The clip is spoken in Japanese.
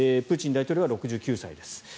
プーチン大統領は６９歳です。